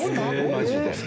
マジで。